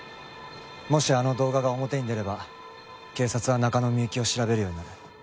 もしあの動画が表に出れば警察は中野幸を調べるようになる。